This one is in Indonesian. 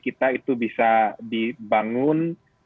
kita itu bisa dibangun